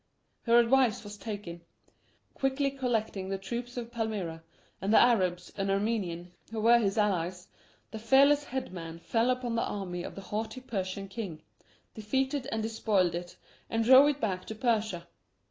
Her advice was taken. Quickly collecting the troops of Palmyra and the Arabs and Armenian who were his allies, the fearless "head man" fell upon the army of the haughty Persian king, defeated and despoiled it, and drove it back to Persia.